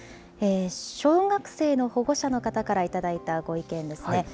小学生の保護者の方から頂いたご意見ですね。